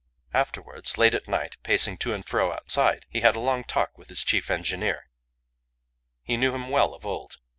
Afterwards, late at night, pacing to and fro outside, he had a long talk with his chief engineer. He knew him well of old.